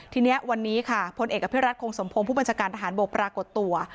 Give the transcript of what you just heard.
ทีนี้วันนี้ค่ะพลเอกอภิรัตคงสมพงศ์ผู้บัญชาการทหารบกปรากฏตัว